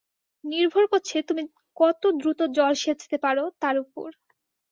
নির্ভর করছে তুমি কত দ্রুত জল সেচতে পারো, তার উপর।